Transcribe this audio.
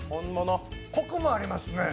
コクもありますね。